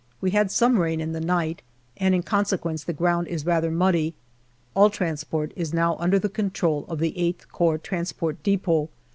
We had some rain in the night, and in conse quence the ground is rather muddy. All transport is now under the control of the VIII Corps Transport Depot.